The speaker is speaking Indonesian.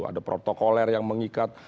ada protokoler yang mengikat